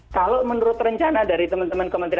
kalau menurut rencana dari teman teman kementerian